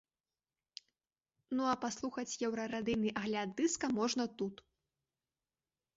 Ну, а паслухаць еўрарадыйны агляд дыска можна тут.